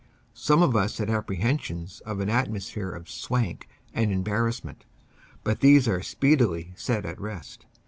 Some of us had apprehensions of an atmosphere of "swank" and embarrassment, but these are speedily set at rest.